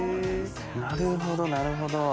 なるほどなるほど。